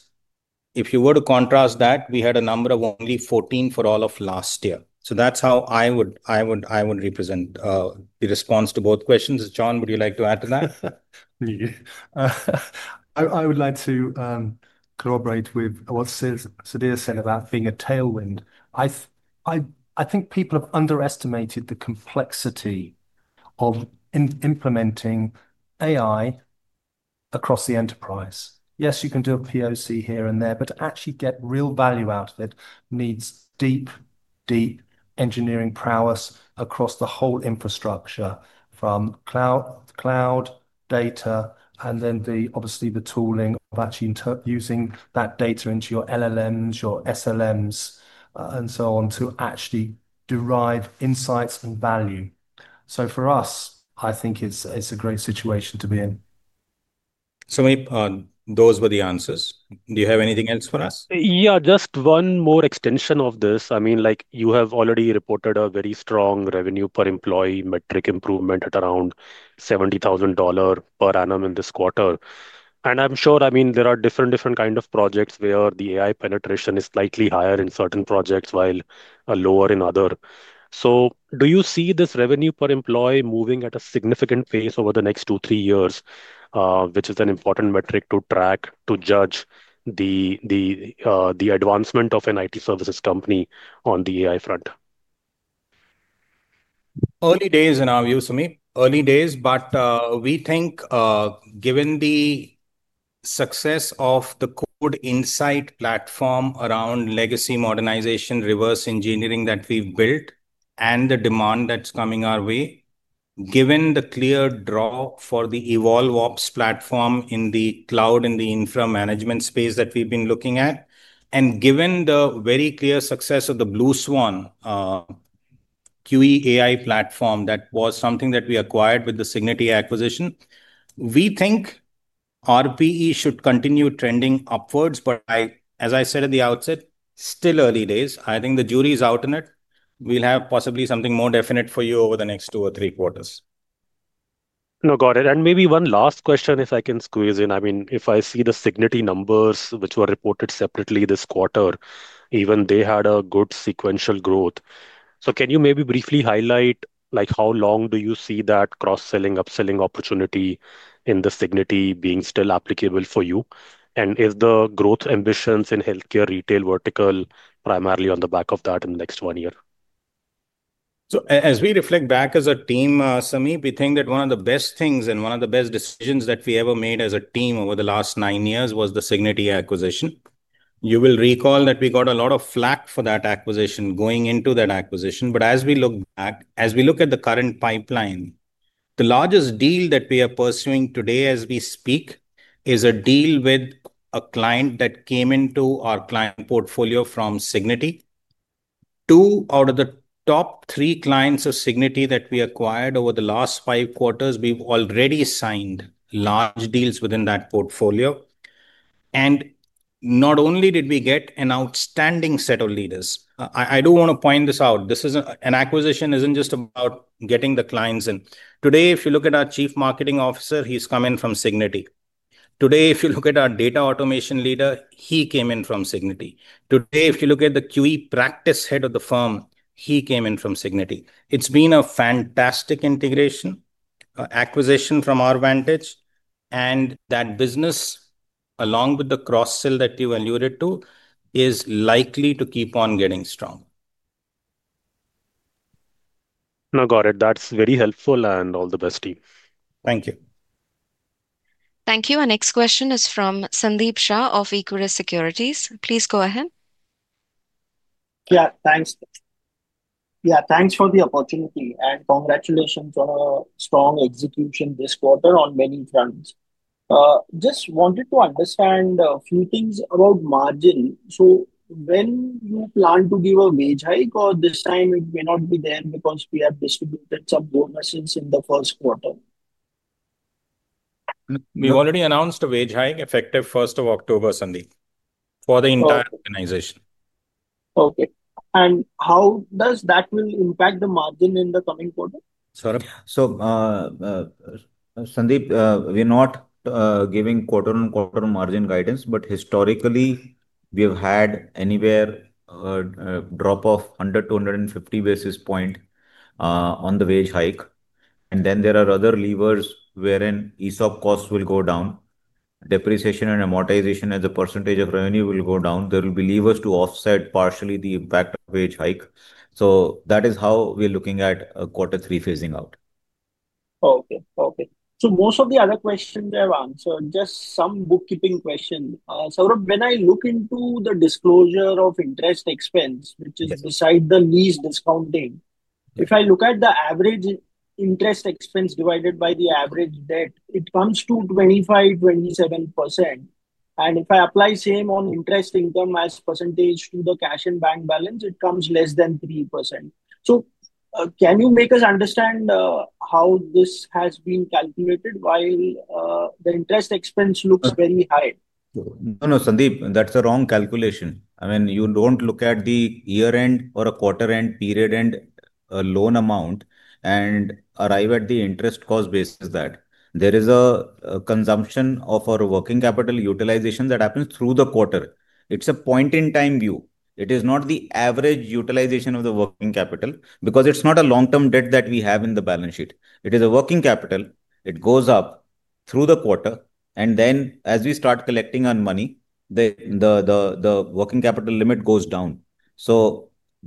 If you were to contrast that, we had a number of only 14 for all of last year. That's how I would represent the response to both questions. John, would you like to add to that? I would like to corroborate with what Sudhir said about being a tailwind. I think people have underestimated the complexity of implementing AI across the enterprise. Yes, you can do a POC here and there, but to actually get real value out of it needs deep, deep engineering prowess across the whole infrastructure from cloud data, and then obviously the tooling of actually using that data into your LLMs, your SLMs, and so on to actually derive insights and value. For us, I think it's a great situation to be in. Sumeet, those were the answers. Do you have anything else for us? Yeah, just one more extension of this. I mean, you have already reported a very strong revenue per employee metric improvement at around $70,000 per annum in this quarter. I'm sure there are different kinds of projects where the AI penetration is slightly higher in certain projects while lower in others. Do you see this revenue per employee moving at a significant pace over the next two to three years, which is an important metric to track to judge the advancement of an IT services company on the AI front? Early days in our view, Sumit. Early days, but we think given the success of the Code Insight AI platform around legacy modernization, reverse engineering that we've built, and the demand that's coming our way, given the clear draw for the EvolveOps.AI platform in the cloud, in the infra management space that we've been looking at, and given the very clear success of the BlueSwan QE AI platform that was something that we acquired with the Cigniti Technologies acquisition, we think RPE should continue trending upwards. As I said at the outset, still early days. I think the jury is out in it. We'll have possibly something more definite for you over the next two or three quarters. Got it. Maybe one last question, if I can squeeze in. If I see the Cigniti numbers, which were reported separately this quarter, even they had a good sequential growth. Can you maybe briefly highlight how long you see that cross-selling, upselling opportunity in the Cigniti being still applicable for you? Is the growth ambitions in healthcare retail vertical primarily on the back of that in the next one year? As we reflect back as a team, Sumeet, we think that one of the best things and one of the best decisions that we ever made as a team over the last nine years was the Cigniti acquisition. You will recall that we got a lot of flack for that acquisition going into that acquisition. As we look back, as we look at the current pipeline, the largest deal that we are pursuing today as we speak is a deal with a client that came into our client portfolio from Cigniti. Two out of the top three clients of Cigniti that we acquired over the last five quarters, we've already signed large deals within that portfolio. Not only did we get an outstanding set of leaders, I do want to point this out. This is an acquisition that isn't just about getting the clients in. Today, if you look at our Chief Marketing Officer, he's come in from Cigniti. Today, if you look at our data automation leader, he came in from Cigniti. Today, if you look at the QE practice head of the firm, he came in from Cigniti. It's been a fantastic integration acquisition from our vantage, and that business, along with the cross-sell that you alluded to, is likely to keep on getting stronger. Got it. That's very helpful and all the best, team. Thank you. Thank you. Our next question is from Sandeep Shah of Equirus Securities. Please go ahead. Yeah, thanks. Thanks for the opportunity. Congratulations on a strong execution this quarter on many fronts. Just wanted to understand a few things about margin. When you plan to give a wage hike, or this time it may not be there because we have distributed some bonuses in the first quarter? We already announced a wage hike effective 1st of October, Sandeep, for the entire organization. How does that will impact the margin in the coming quarter? Sandeep, we're not giving quarter-on-quarter margin guidance, but historically, we have had anywhere a drop of 100-150 basis points on the wage hike. There are other levers wherein ESOP costs will go down, depreciation and amortization as a percentage of revenue will go down. There will be levers to offset partially the impact of wage hike. That is how we're looking at a quarter three phasing out. Okay. Most of the other questions I've answered, just some bookkeeping questions. Saurabh, when I look into the disclosure of interest expense, which is beside the lease discounting, if I look at the average interest expense divided by the average debt, it comes to 25%, 27%. If I apply the same on interest income as percentage to the cash and bank balance, it comes less than 3%. Can you make us understand how this has been calculated while the interest expense looks very high? No, Sandeep, that's the wrong calculation. I mean, you don't look at the year-end or a quarter-end period-end loan amount and arrive at the interest cost basis that there is a consumption of our working capital utilization that happens through the quarter. It's a point-in-time view. It is not the average utilization of the working capital because it's not a long-term debt that we have in the balance sheet. It is a working capital. It goes up through the quarter, and as we start collecting on money, the working capital limit goes down.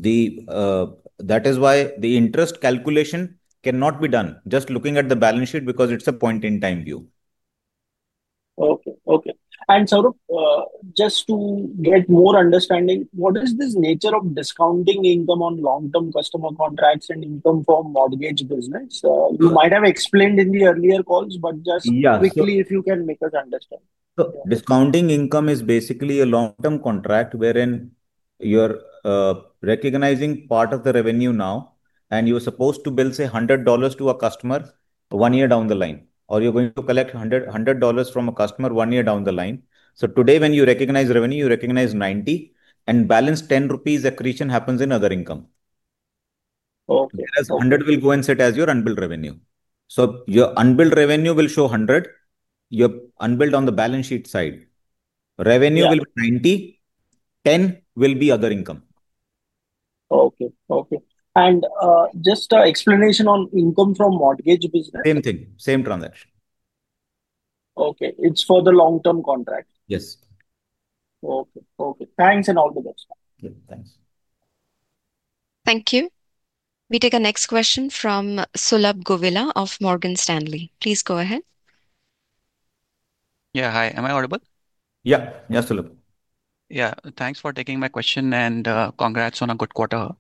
That is why the interest calculation cannot be done just looking at the balance sheet because it's a point-in-time view. Okay. Saurabh, just to get more understanding, what is this nature of discounting income on long-term customer contracts and income from mortgage business? You might have explained in the earlier calls, but just quickly, if you can make us understand. Discounting income is basically a long-term contract wherein you're recognizing part of the revenue now. You're supposed to bill, say, $100 to a customer one year down the line, or you're going to collect $100 from a customer one year down the line. Today, when you recognize revenue, you recognize $90, and balance $10 accretion happens in other income. Okay. $100 will go and sit as your unbilled revenue. Your unbilled revenue will show $100. Your unbilled on the balance sheet side. Revenue will be $90. $10 will be other income. Okay. Okay. Just an explanation on income from mortgage business. Same thing, same transaction. Okay. It's for the long-term contract? Yes. Okay, thanks and all the best. Thanks. Thank you. We take a next question from Sulabh Govila of Morgan Stanley. Please go ahead. Hi. Am I audible? Yeah, yeah, Saurabh. Yeah, thanks for taking my question and congrats on a good quarter.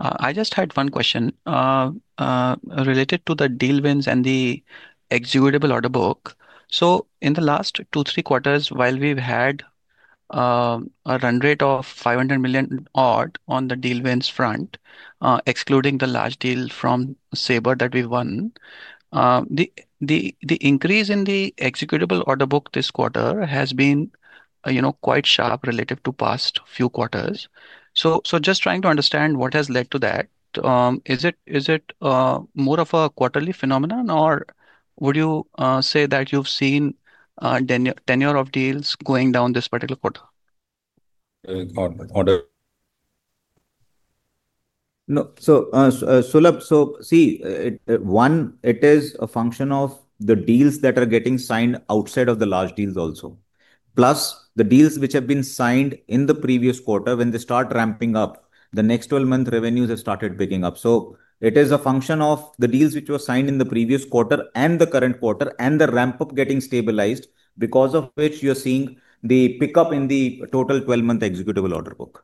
I just had one question related to the deal wins and the executable order book. In the last two, three quarters, while we've had a run rate of $500 million odd on the deal wins front, excluding the large deal from Sabre that we won, the increase in the executable order book this quarter has been quite sharp relative to past few quarters. I'm just trying to understand what has led to that. Is it more of a quarterly phenomenon, or would you say that you've seen tenure of deals going down this particular quarter? No, Sulabh, one, it is a function of the deals that are getting signed outside of the large deals also. Plus, the deals which have been signed in the previous quarter, when they start ramping up, the next 12-month revenues have started picking up. It is a function of the deals which were signed in the previous quarter and the current quarter and the ramp-up getting stabilized, because of which you're seeing the pickup in the total 12-month executable order book.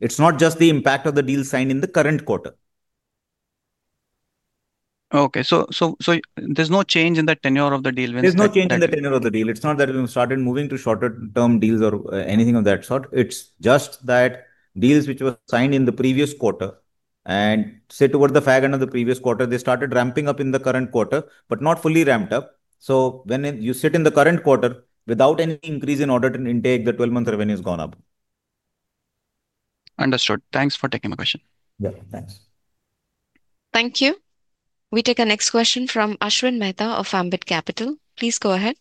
It's not just the impact of the deals signed in the current quarter. Okay, so there's no change in the tenure of the deal wins? There's no change in the tenure of the deal. It's not that we've started moving to shorter-term deals or anything of that sort. It's just that deals which were signed in the previous quarter and sit toward the fag end of the previous quarter, they started ramping up in the current quarter, but not fully ramped up. When you sit in the current quarter, without any increase in order intake, the 12-month revenue has gone up. Understood. Thanks for taking my question. Yeah, thanks. Thank you. We take a next question from Ashwin Mehta of Ambit Capital. Please go ahead.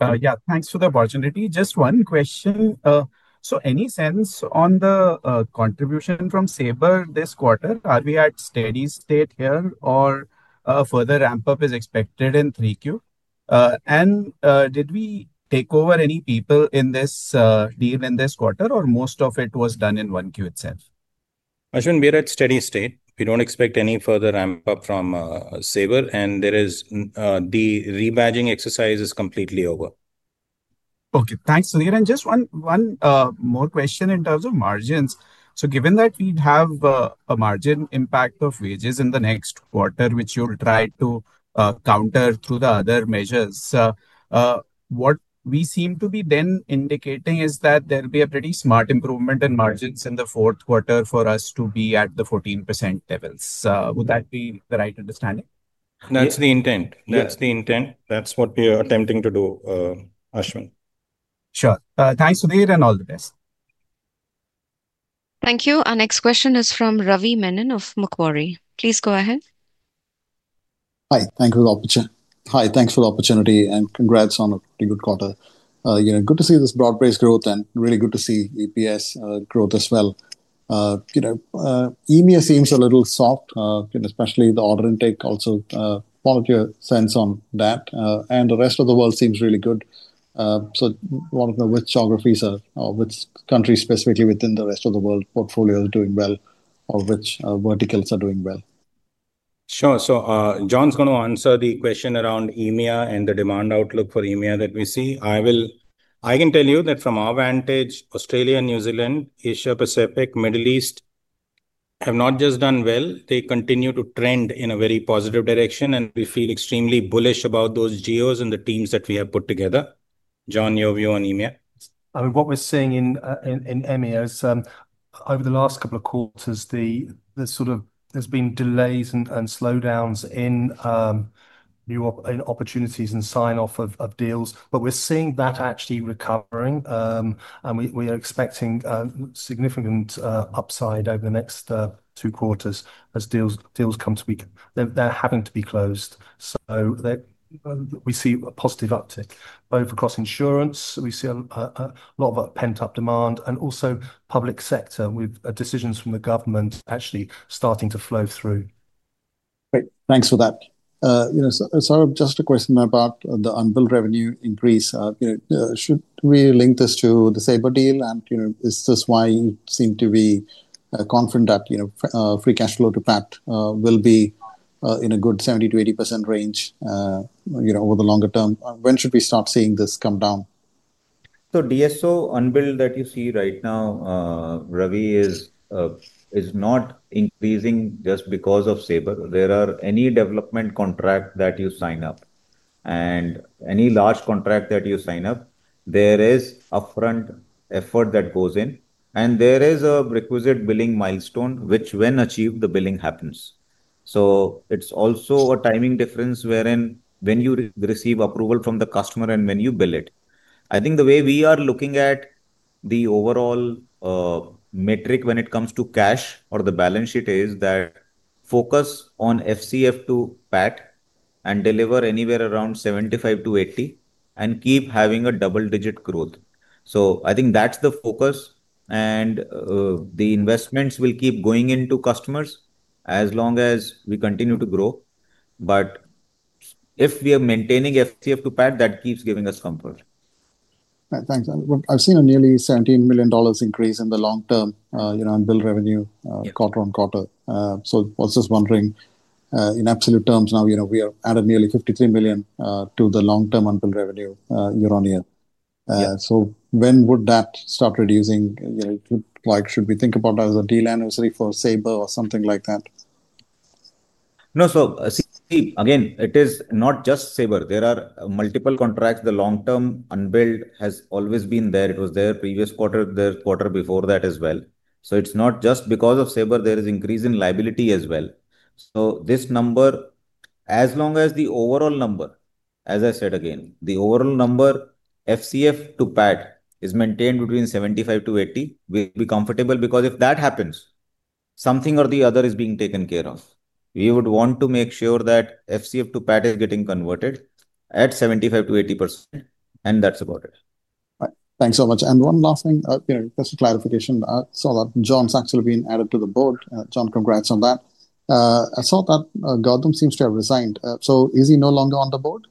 Yeah, thanks for the opportunity. Just one question. Any sense on the contribution from Sabre this quarter? Are we at steady state here, or a further ramp-up is expected in 3Q? Did we take over any people in this deal in this quarter, or most of it was done in 1Q itself? Ashwin, we're at steady state. We don't expect any further ramp-up from Sabre, and the rebadging exercise is completely over. Okay, thanks, Sudhir. Just one more question in terms of margins. Given that we'd have a margin impact of wages in the next quarter, which you'll try to counter through the other measures, what we seem to be then indicating is that there'll be a pretty smart improvement in margins in the fourth quarter for us to be at the 14% levels. Would that be the right understanding? That's the intent. That's what we are attempting to do, Ashwin. Sure. Thanks, Sudhir, and all the best. Thank you. Our next question is from Ravi Menon of Macquarie. Please go ahead. Hi, thanks for the opportunity. Congrats on a pretty good quarter. Good to see this broad-based growth and really good to see EPS growth as well. EMEA seems a little soft, especially the order intake. Also, volunteer sense on that. The rest of the world seems really good. I want to know which geographies or which countries specifically within the rest of the world portfolio are doing well or which verticals are doing well. Sure. John's going to answer the question around EMEA and the demand outlook for EMEA that we see. I can tell you that from our vantage, Australia, New Zealand, Asia-Pacific, Middle East have not just done well. They continue to trend in a very positive direction, and we feel extremely bullish about those geos and the teams that we have put together. John, your view on EMEA? What we're seeing in EMEA is over the last couple of quarters, there's sort of been delays and slowdowns in new opportunities and sign-off of deals. We're seeing that actually recovering, and we are expecting significant upside over the next two quarters as deals come to be closed. They're having to be closed. We see a positive uptick both across insurance. We see a lot of pent-up demand and also public sector with decisions from the government actually starting to flow through. Great. Thanks for that. Saurabh, just a question about the unbilled revenue increase. Should we link this to the Sabre deal? Is this why you seem to be confident that free cash flow to PAT will be in a good 70%-80% range over the longer term? When should we start seeing this come down? DSO unbilled that you see right now, Ravi, is not increasing just because of Sabre. There are any development contracts that you sign up and any large contracts that you sign up, there is upfront effort that goes in. There is a requisite billing milestone, which when achieved, the billing happens. It's also a timing difference wherein when you receive approval from the customer and when you bill it. I think the way we are looking at the overall metric when it comes to cash or the balance sheet is that focus on FCF to PAT and deliver anywhere around 75%-80% and keep having a double-digit growth. I think that's the focus. The investments will keep going into customers as long as we continue to grow. If we are maintaining FCF to PAT, that keeps giving us comfort. Thanks. I've seen a nearly $17 million increase in the long-term unbilled revenue quarter on quarter. I was just wondering, in absolute terms now, we have added nearly $53 million to the long-term unbilled revenue year-on-year. When would that start reducing? Should we think about it as a deal anniversary for Sabre or something like that? No, see, again, it is not just Sabre. There are multiple contracts. The long-term unbilled has always been there. It was there the previous quarter, the quarter before that as well. It is not just because of Sabre there is increase in liability as well. This number, as long as the overall number, as I said again, the overall number FCF to PAT is maintained between 75%-80%, we'll be comfortable because if that happens, something or the other is being taken care of. We would want to make sure that FCF to PAT is getting converted at 75%-80%. That's about it. Thanks so much. One last thing, just a clarification. I saw that John’s actually been added to the board. John, congrats on that. I saw that Gautam seems to have resigned. Is he no longer on the board?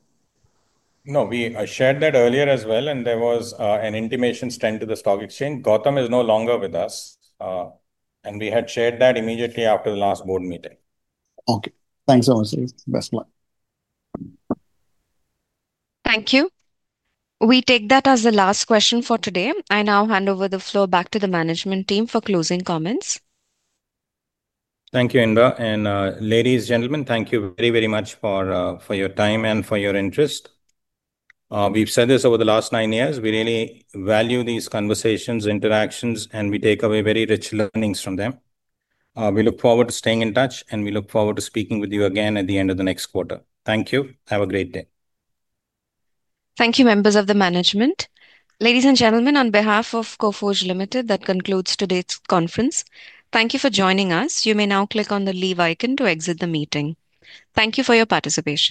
No, we shared that earlier as well. There was an intimation sent to the stock exchange. Gautam is no longer with us. We had shared that immediately after the last board meeting. Okay. Thanks so much, Sudhir. Best of luck. Thank you. We take that as the last question for today. I now hand over the floor back to the management team for closing comments. Thank you, Indra. Ladies and gentlemen, thank you very, very much for your time and for your interest. We've said this over the last nine years. We really value these conversations, interactions, and we take away very rich learnings from them. We look forward to staying in touch, and we look forward to speaking with you again at the end of the next quarter. Thank you. Have a great day. Thank you, members of the management. Ladies and gentlemen, on behalf of Coforge Limited, that concludes today's conference. Thank you for joining us. You may now click on the leave icon to exit the meeting. Thank you for your participation.